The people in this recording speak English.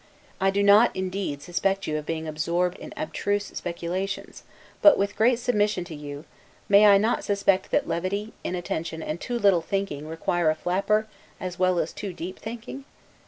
I do not indeed suspect you of being absorbed in abstruse speculations; but, with great submission to you, may I not suspect that levity, inattention, and too little thinking, require a flapper, as well as too deep thinking?